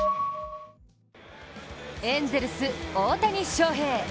エンゼルス・大谷翔平。